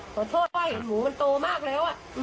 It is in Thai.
ขอโทษว่าเห็นหมูมันโตมากแล้ว